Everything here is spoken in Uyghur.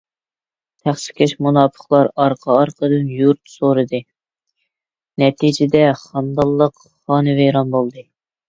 تەخسىكەش مۇناپىقلار ئارقا - ئارقىدىن يۇرت سورىدى. نەتىجىدە، خانىدانلىق خانىۋەيران بولدى.